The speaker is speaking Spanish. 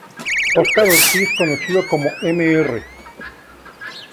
Oscar Ortiz conocido como "“Mr.